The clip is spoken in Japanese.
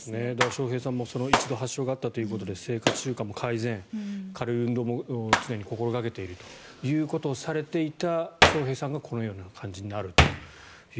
笑瓶さんも一度発症があったということで生活習慣も改善軽い運動も常に心掛けているということをされていた笑瓶さんがこのような感じになると。